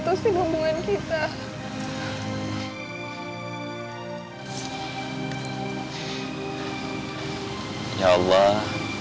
itu perempuan rumah